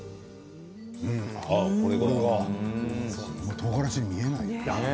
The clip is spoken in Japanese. とうがらしに見えないね。